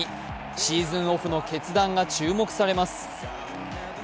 シーズンオフの決断が注目されます。